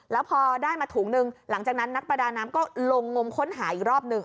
แล้วพอได้มาถุงหนึ่งหลังจากนั้นนักประดาน้ำก็ลงงมค้นหาอีกรอบหนึ่ง